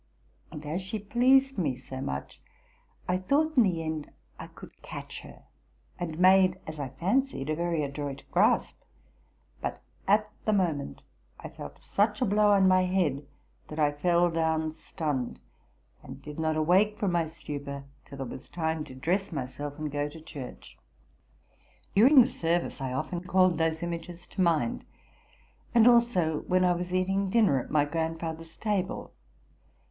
And, as she pleased me so much, I thought in the end I could catch her, and made, as I fancied, a very adroit grasp. But at the moment I felt such a blow on my head that I fell down stunned, and did not awake from my stupor till it was time to dress myself and go to church. During the service I often called those images to mind, and also when I was eating dinner at my grandfather's table.